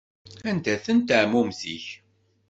Anda-tent ɛmumet-ik?